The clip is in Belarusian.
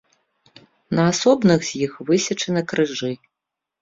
На асобных з іх высечаны крыжы.